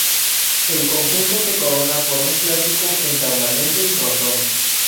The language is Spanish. El conjunto se corona por un clásico entablamento y frontón.